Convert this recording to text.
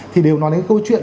thì đều nói đến câu chuyện đó